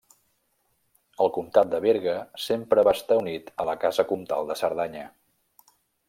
El comtat de Berga sempre va estar unit a la casa comtal de Cerdanya.